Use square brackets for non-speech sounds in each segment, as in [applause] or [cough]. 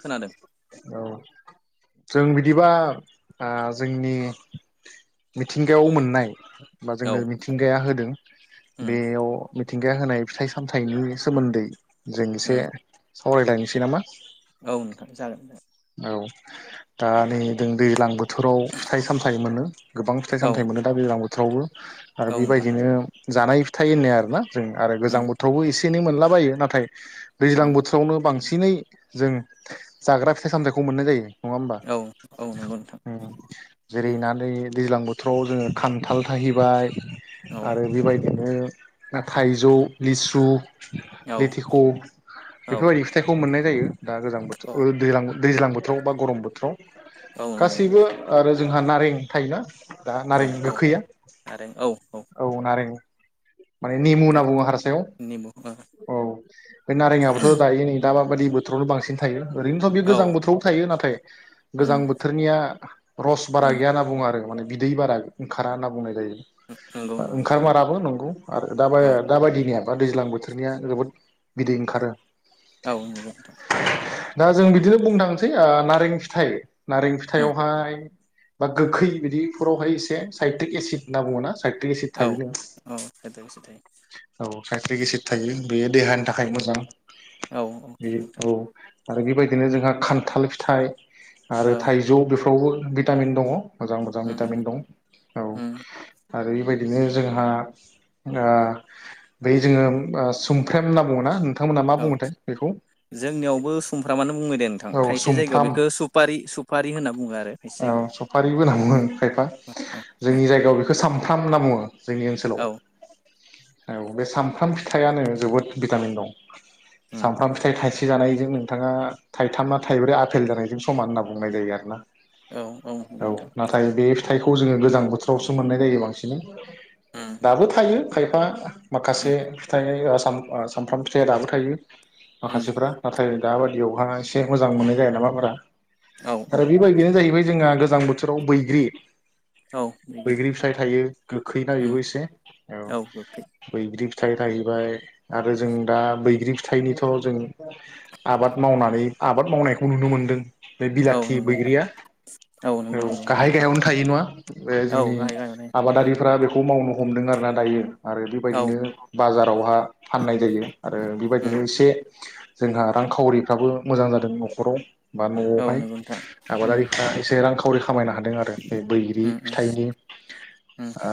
खोनादों औ जों बिदिबा आ जोंनि मिथिंगायाव मोननाय बा औ जोंनो मिथिंगाया होदों उम बेयाव मिथिंगाया होनाय फिथाइ सामथाइनि सोमोन्दै जों एसे उम सावरायलायनोसै नामा? औ नोंथां जागोन। औ दा नै जों दैज्लां बोथोराव फिथाइ सामथाइ मोनो। गोबां फिथाइ नोंथां औ सामथाइ मोनो दा दैज्लां फ्रावो आर औ नोंथां बेबायदिनो जानाय फिथाइ होननाय आरोना। दि जों आरो गोजां उम बोथोरावबो एसे बिदिनो मोनलाबायो नाथाय दैज्लां उम बोथोरावनो बांसिन दिनै जों जाग्रा सामथायखौ मोननाय जायो। नङा होमबा औ औ नंगौ नोंथां जेरै ना दै दैज्लां बो थ्र'आव जोङो खान्थाल थाहैबाय औ आरो बेबाय बिदिनो आ थाइजौ, लिसु औ लेथेख' औ बेफोरबायदि फिथाइखौ मोननाय जायो दा गोजां बोथोर औ ओ दैलां बो दैज्लां बोथोराव बा गरम बोथोराव औ नंगौ नोंथां गासैबो आरो जोंहा नारें थायोना दा औ नारें औ गोखैया आरो औ औ नारें माने नेमु होनना गार बुङो निमु हारसायाव। औ बे नारेङाबोथ' दायो नै दा बादि बोथोरावल बांसिन थायो। ओरैनोथ बे औ गोजां बोथोराव थायो नाथाय। उम गोजां बोथोरनिया। रस बारा उम गैया होनना बुङो आरो माने। बिदै बारा ओंखारा होनना बुंनाय नंगौ जायो। नंगौ ओंखार माराबो नंगौ। आरो दाबा औ दाबायदिनिया बा दैज्लां बोथोरनिया जोबोद बिदै ओंखारो। औ नुगौथ दा जों बिदिनो बुंनो थांनोसै नारें फिथाइ नारें उम फिथाइआवहाय बा गोखै बिदिफोरावहाय एसे साइटिक एसिद होनना बुङोना साइ दैसे थागोन। नोंसोथाइ पाइक्रिक एसिट थायो बेयो देहानि थाखाय मोजां। औ औ बे नोंथां औ आरो बेबायदिनो जोंहा खान्थाल फिथाइ आरो औ थाइजौ बेफोरावबो। भिटामिन दङ। मोजां मोजां भिटामिन उम दं औ। उम आरो एबायदिनो जोंहा। आ बै जोङो आ सुमफ्रेम होनना बुङोना नोंथांमोना मा औ बुङोथाय बेखौ जोंनियावबो सुमफ्रामानो बुङो दे नोंथां औ खायसे जायगायाव सुमफ्राम बेखौ सुफारि सुफारि होनना बुङो आरो खायसे औ सफारिबो होनना बुङो जायगायाव। थामना बुङो जोंनि ओनसोलाव औ औ बे सामफ्राम फिथाइयानो जोबोद भिटामिन दं। उम सामफ्राम फिथाइ थाइसे जानायजों नोंथाङा थाइथामना थाइब्रै आफेल जानायजों समान होनना बुंनाय जायो आरो ना। औ औ औ नोंथां। थाइखौ जोङो गोजां बोथोरावसो मोननाय जायो बांसिनै। उम दाबो थायो। खायफा उम माखासे फिथाइ ओ साम ओ सामफ्राम फिथाइया दाबो थायो। उम माखासेफ्रा नाथाय दाबादियावहा एसे मोजां मोननाय जाया नामाब्रा? औ औ आरो बेबायदिया जाहैबाय जोंहा गोज गोजां बोथोराव बैग्रि औ दैगिरि बैग्रि फिथाइ थायो गोखै ना उम बेबो एसे औ। गोखै बैग्रि फिथाइ थायबाय आरो जों दा बैग्रि फिथाइनिथ' जों आबाद मावनानै आबाद मावनायखौ नुनो मोनदों। बे औ बिलाथि नंगौ नोंथां बैग्रिया औ नंगौ नंगौ गाहाय नोंथां गाहायावनो थायो नङा? बे औ जोंनि गाहाय गाहाय माने आबादारिफ्रा बेखौ मावनो हमदों आर ना दायो। आरो औ बेबायदिनो बाजार दावहा फाननाय जायो आरो उम बेबायदिनो एसे जोंहा रांखावरिफ्राबो मोजां जादों न'खराव बा औ न'आवहाय नंगौ नोंथां उम आबादारिफ्रा एसे रां खामायनो हादों आरो बे बैग्रि उम उम फिथाइनि उम ओ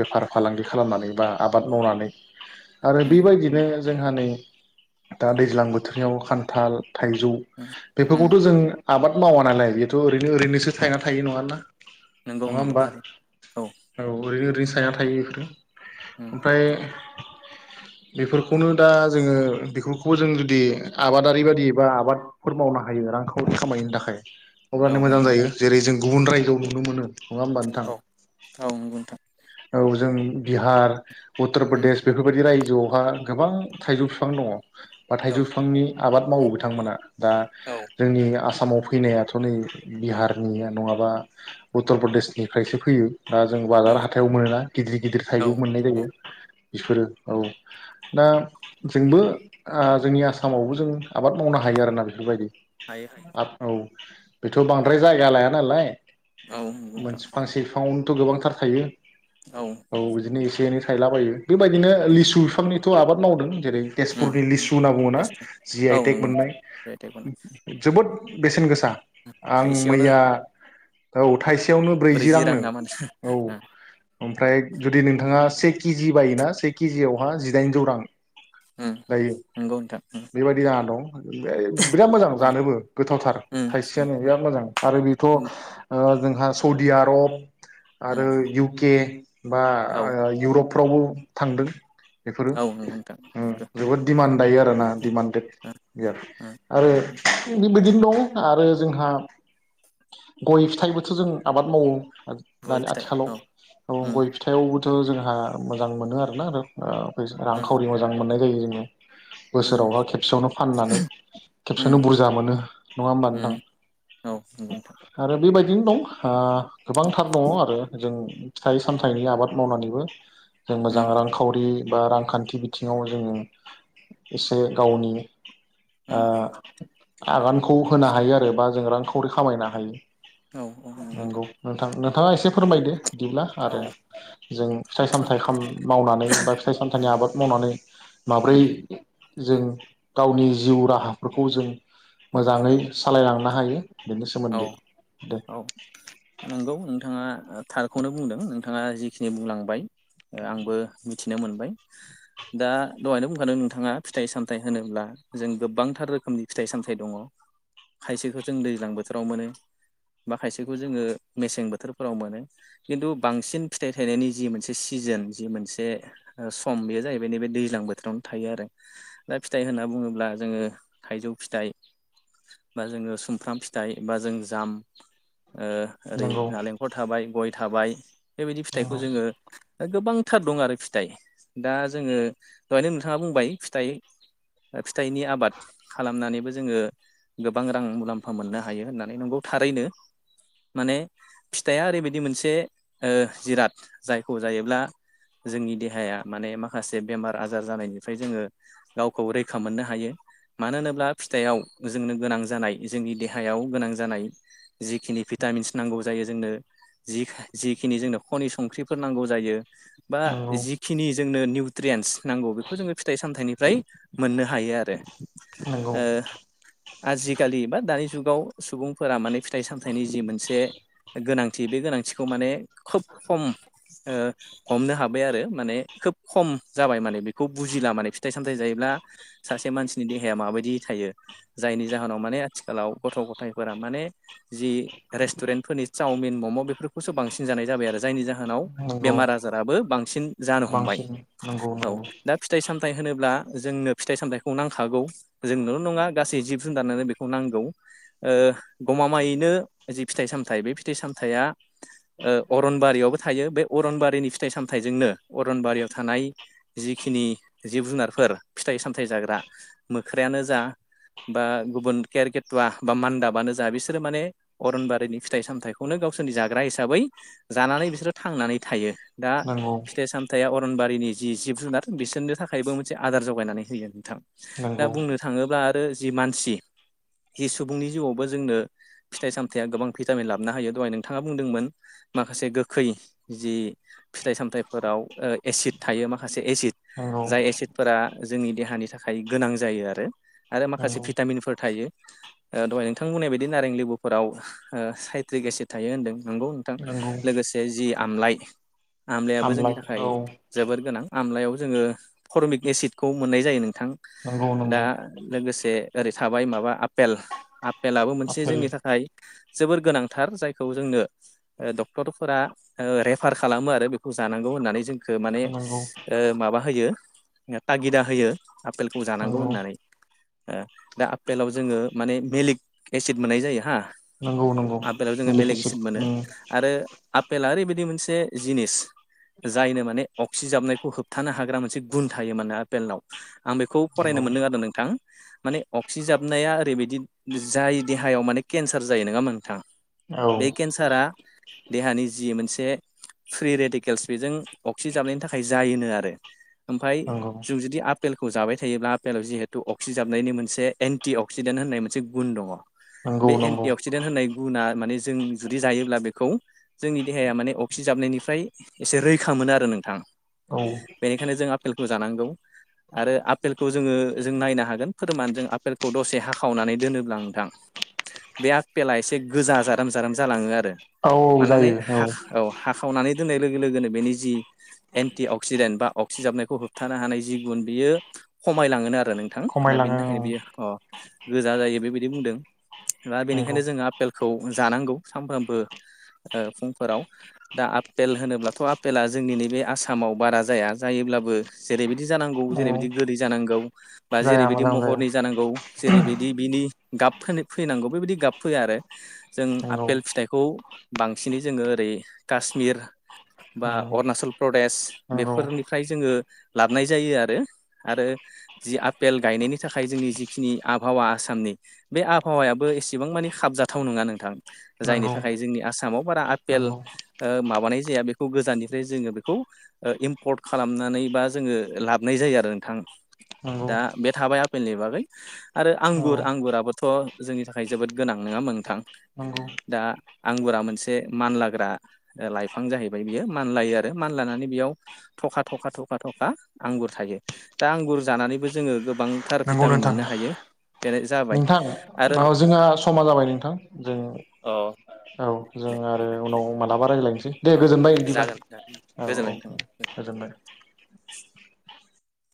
बेफार फालांगि खालामनानै बा आबाद मावनानै आरो उम बेबायदिनो जोंहा नै दा दैज्लां बोथोरनियाव खान्थाल थाइजौ उम उम बेफोरखौथ' जों आबाद मावा नालाय बेथ' ओरैनो ओरैनोसो थाइना थायो नङान ना। नंगौ नङा नंगौ होमबा थारैनो औ। ओरै ओरैसो थायना थायो बेफोरो? उम ओमफ्राय बेफोरखौनो दा जोङो बेफोरखौबो जों जुदि आबादारि बायदि बा आबादफोर मावनो हायो रांखावरि खामायनो थाखाय औ हगारनो मोजां नंगौ जायो जेरै जों गुबुन रायजोआव नुनो मोनो नङा होमबा नोंथां? औ औ नंगौ नोंथां औ जों बिहार उत उम प्रदेस बेबायदि राय गोजौआवहा गोबां थाइजौ बिफां दङ बा औ थाइजौ बिफांनि आबाद मावो बिथांमोना दा औ जोंनि आसाम आसामाव फैनायाथ' नै बिहारनि नङाबा उत्तर प्रदेशनिफ्रायसो फैयो दा जों बाजार उम हाथायाव मोनो ना गिदिर गिदिर औ थाइजौ मोननाय जायो औ बिफोरो औ दा जोंबो जोंनि आसामावबो जों आबाद मावनो हायो आरोना बेफोरबायदि हायो हायो औ बेथ' बांद्राय जायगा लाया नालाय औ नंगौ नोंथां मोनसे फांसे बिफाङावनो थ' गोबांथार थायो औ बिदिनो एसे एनै थायलाबायो बेबायदिनो लिसु बिफांनिथ' आबाद मावदों जेरै उम तेजपुरनि उम लिसु नांगौना एस जि आइ औ टेक नंगौ नोंथां मोननाय मेथाइ खननाय जोबोद बेसेन गोसा आं थाइसेयावनो मैया औ थाइसेयावनो ब्रैजि रां रांनो नामा औ नोंथां ओमफ्राय जुदि नोंथाङा से केजि बायोना से केजियावहा जिदाइनजौ रां उम जायो नंगौ नोंथां उम बेबायदि जाना दं बिराद मोजां उम जानोबो गोथावथार उम थायसेयानो बिराद मोजां आरो बेथ' उम जोंहा सौदि आरब उम आरो इउके बा औ इउरप फ्रावबो थांदों बेफोरो औ नंगौ नोंथां नंगौ जोबोद दिडमान्ड दायो आर ना उम दिडिमान्डेड उम आरो बिदिनो दं आरो जोंहा गय फिथाइबोथ' जों आबाद मावो गय दानि फिथाइ आथिखालाव औ उम गय फिथाइयाव खौथ' जोंहा मोजां मोनो आरोना आरो उम रांखरि मोजां मोननाय [inaudible] उम बोसोरावबा खेबसेयावनो फाननानै खेबसेयावनो उम बुरजा मोनो नङा होमबा उम औ नंगौ नोंथां नोंथां आरो बेबायदिनो दं ओ गोबांथार दङ आरो जों फिथाइ सामथाइनि आबाद मावनानैबो जों मोजां उम रांखावरि बा रांखान्थि बिथिङाव जोङो एसे गावनि ओ उम आगानखौ होनो हायो आरो बा जों रांखावरि खामायनो हायो औ औ नोंथां नंगौ नोंथांनो नोंथाङा एसे फोरमायदो बिदिब्ला औ आरो जों फिथाइ सामथाइ मावनानै बा फिथाइ सामथाइनि उम आबाद मावनानै माब्रै उम जों गावनि जिउ राहाफोरखौ जों उम मोजाङै सालायलांनो हा हायो बेनि औ सोमोन्दै दे औ नंगौ नोंथाङा थारखौनो बुंदों नोंथाङा जिखिनि बुंलांबाय आंबो मिथिनो मोनबाय दा दहायनो बुंखादों नोंथाङा फिथाइ सामथाइ होनोब्ला जों गोबांथार रोखोमनि फिथाइ सामथाइ दङ खायसेखौ जों दैज्लांबो बोथोराव मोनो बा खायसेखौ जोङो मेसें बोथोरफोराव मोनो खिन्थु बांसिन फिथाइ थायनायनि जि मोनसे सिजोन जि मोनसे सम बेयो जाहैबाय नैबे दैज्लां बोथोरावनो थायो आरो दा फिथाइ होनना बुङोब्ला जोङो थाइजौ फिथाइ बा जोङो सुमफ्राम फि थाइबा जों जाम ओरै नंगौ नालेंखर थाबाय गय थाबाय बेबायदि फिथाइखौ नंगौ जोङो गोबां दं आरो फिथाइ दा जोङो दहायनो नोंथाङा बुंबाय फिथाइ फिथाइनि आबाद खालामनानैबो जोङो गोबां रां मुलाम्फा मोननो हायो हायो होननानै नंगौ थारैनो माने फिथाइआ ओरैबायदि मोनसे ओ जिराद जायखौ जायोब्ला जोंनि देहाया माने माखासे बेमार आजार जानायनिफ्राय जोङो गावखौ रैखा मोननो हायो मानो होनोब्ला फिथाइयाव जोंनो गोनां जानाय जोंनि देहा देहायाव गोनां जानाय जिखिनि भिटामिन्स नांगौ जायो जोंनो जि जिखिनि जोंनो खनि संख्रिफोर नांगौ जायो बा नंगौ जिखिनि जोंनो निउट्रियेन्स नांगौ बेखौ जोङो फिथाइ सामथाइनि [unintelligible] मोननो हायो आरो नंगौ ओ आजिखालि बा दानि गाव सुबुंफोरा माने फिथाइ साम थाइनि जि मोनसे गोनां थि बे गोनांथिखौ माने खोब खम ओ हमनो हाबाय आरो माने खोब खम जाबाय माने बेखौ बुजिला माने फिथाइ सामथाइ जायोब्ला सासे मानसिनि देहाया माबायदि थायो जायनि जाहोनाव माने आथिखालाव गथ' गथायफोरा माने जि रेस्टुरेन्ट फोरनि चावमिन मम' बेफोरखौसो बांसिन जानाय जाबाय आरो जायनि जाहो नाव नंगौ बेमार आजाराबो बांसिन जानो हमबाय बांसिन नंगौ औ नंगौ दा फिथाइ साम थाय होनोब्ला जोंनो फिथाइ सामथाइखौ नांखागौ जोंनोल' नङा गासै जिब जुनारनोनो बेखौ नांगौ ओ गमामायैनो जि फिथाइ सामथाइ बे फिथाइ सामथाइया ओ अरनबारियावबो थायो बे अरनबारिनि फिथाइ सामथाइजोंनो अरनबारियाव थानाय जिखिनि जिब जुनारफोर फिथाइ सामथाइ जाग्रा मोख्रायानो जा बा गुबुन केेरकेत बा मान्दाबानो जा बिसोरो माने अरनबारिनि फिथाइ सामथाइखौनो गावसोरनि जाग्रा हिसाबै जानानै बिसोरो थांनानै थायो। दा नंगौ फिथाइ सामथाइया अर अरनबारिनि जि जिब जुनार बिसोरनो थाखायबो मोनसे आदार जगायनानै होयो नोंथां। दा नंगौ बुंनो थाङोब्ला आरो जि मानसि जि सुबुंनि जिउआवबो जोंनो फिथाइ सामथाइया गोबां भिटामिन लाबोना होयो दहाय नोंथाङा बुंदोंमोन माखासे गोखै जि फिथाइ सामथाइफोराव ओ एसिड थायो माखासे एसिड नंगौ जाय एसिडफोरा जोंनि देहानि थाखाय गोनां जायो आरो आरो माखासे नंगौ भिटामिनफोर थायो। ओ दहाय नोंथां बुंनाय बायदि नारें लिबुफोराव ओ साइट्रिक एसिड थायो होनदों नंगौ नोंथां नंगौ लोगोसे जि आमलाइ आमलाइयाबो जोंनि आमलाइ थाखाय औ जोबोर गोनां। आमलायाव जोङो फरमिक एसिडखौ मोननाय जायो नों थां नंगौ दा नंगौ लोगोसे ओरै साबाय माबा पेल आ [unintelligible] फेलाबो मोनसे आफेल जोंनि थाखाय जोबोर गोनांथार जायखौ जोंनो ओ डक्टरफोरा ओ रेफार खालामो आरो बेखौ जानांगौ होननानै जों खो माने नंगौ ओ माबा होयो तागिदा होयो। आफेलखौ जानांगौ नंगौ होननानै। दा आपेलाव जोङो माने मेलिक एसिद मोननाय जायो हा नंगौ नंगौ आपेलाव जोङो मेलिक एसिड उम फेला ओरैबायदि मोनसे जिनिस जायनो माने अक्सिजाबनायखौ होबथानो हाग्रा मोनसे गुन थायो माने आफेलनाव आं बेखौ फरायनो नंगौ मोन्दों आरो नोंथां माने अक्सिजाब नाया ओरैबायदि जाय देहायाव माने केन्सार जायो नोङा होनबा नोंथां औ बे केन्सारा देहानि जि मोनसे फ्रि रेडेकेल्स बेजों अक्सिजाबनायनि थाखाय जायोनो आरो ओमफाय नंगौ जों जुदि आपेलखौ जाबाय थायोब्ला आपेलाव जिहेथु अक्सि जाबनायनि मोनसे एन टि अक्सिडेन्ट होननाय मोनसे गुन दङ नंगौ बे नंगौ एन्टि अक्सिडेन्ट होननाय गुना माने जों जुदि जायोब्ला बेखौ जोंनि देहाया माने अक्सिजाबनायनिफ्राय एसे रैखा मोनो आरो नोंथां औ बेनिखायनो जों आपेलखौ जानांगौ आरो आपेलखौ जोङो जों नायनो हागोन फोरमान जों आफेल खौ दसे हाखावनानै दोनोब्ला नोंथां बे आपेला एसे गोजा जाराम जाराम जालाङो आरो औ मानोने जायो हाख औ हाखावनानै दोननाय लोगो लोगोनो बेनि जि एन्टि अक्सिडेन्ट बा अक्सिजाबनायखौ होबथानो हानाय जि गुन बियो खमायलाङोनो आरो नों खमायलाङो औ अ गोजा जायो बेबायदि बुंदों दा नंगौ बेनिखायनो जोङो आफेलखौ जानांगौ सामफ्रोमबो ओ फुंफोराव दा आफेल होनोब्लाथ' आपेला जोंनि नैबे आसामाव बारा जाया जायोब्लाबो जेरैबायदि जानांगौ औ जेरैबायदि गोदै जानांगौ बा जाया जेरैबायदि मोजां जाया महरनि जानांगौ जेरैबायदि बिनि गाब फोनो फैनांगौ बेबायदि गाब फैया आरो जों नंगौ आपेल फिथाइखौ बांसिनै जोङो ओरै काश्मिर बा उम अरुणाचल प्रदेश नंगौ बेफोरनिफ्राय जोङो लाबोनाय जायो आरो आरो जि आफेल गायनायनि था खाय जोंनि जिखिनि आबहावा आसामनि बे आबहावायाबो एसेबां मानि खाबजाथाव नङा नोंथां जायनि नंगौ थाखाय जोंनि आसामाव बारा आपेल‌ नंगौ ओ माबानाय जाया बेखौ गोजाननिफ्राय जोङो बेखौ इम्पर्ट खालामनानै बा जोङो लाबोनाय जायो आरो नोंथां नंगौ दा बे थाबाय फेलनि बागै आरो आंगुर औ आंगुराबोथ' जोंनि थाखाय जोबोद गोनां नोङा होनबा नोंथां नंगौ दा आंगुरा मोनसे मानलाग्रा लाइफां जाहैबाय बियो मानलायो आरो मानलानानै बेयाव थखा थखा थखा थखा आंगुर थायो दा आंगुर जानानैबो जोङो गोबां थार नंगौ भिटामिन नोंथां मोननो हायो बेनो जाबाय नोंथां आरो औ जोंहा समा जाबाय नोंथां जों अ औ जों दे आरो नोंथां उनाव दे मालाबा रायलायनोसै। दे अ गोजोनबाय बिदिबा जागोन जागोन औ औ गोजोनबाय नोंथां गोजोनबाय [inaudible]